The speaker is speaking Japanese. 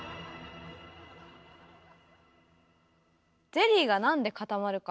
ゼリーがなんで固まるか？